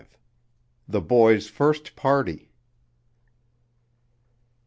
THE BOY'S FIRST PARTY.